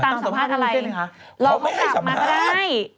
เขาไม่ให้สำหรับเราก็กลับมาก็ได้